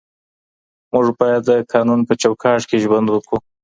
موږ باید د قانون په چوکاټ کي ژوند وکړو.